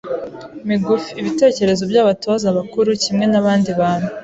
migufi , ibitekerezo by’abatoza bakuru kimwe n’abandi bantu